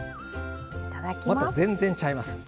また、全然ちゃいます。